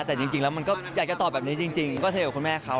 แต่จริงแล้วมันก็อยากจะตอบแบบนี้จริงก็เทลกับคุณแม่เขา